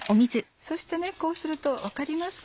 そしてこうすると分かりますか？